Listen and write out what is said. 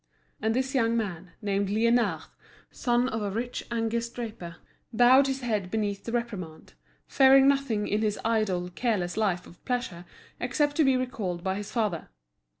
And this young man, named Liénard, son of a rich Angers draper, bowed his head beneath the reprimand, fearing nothing in his idle, careless life of pleasure except to be recalled by his father.